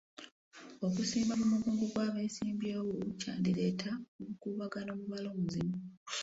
Okusimba mu mugongo gw'abesimbyewo kyandireeta obukuubagano mu balonzi.